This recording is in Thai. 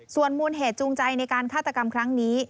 ส่วนมูลเหตุจูงใจในการฆาตกรรมครั้งนี้